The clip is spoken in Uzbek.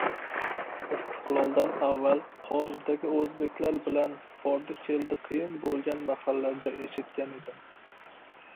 Istiqloldan avval, horijdagi o‘zbeklar bilan bordi-keldi qiyin bo‘lgan mahallarda eshitgan edim.